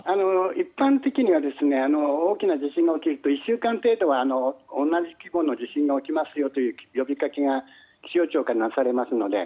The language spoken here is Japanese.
一般的には大きな地震が起きると１週間程度は同じ規模の地震が起きますという呼びかけが気象庁からなされますので。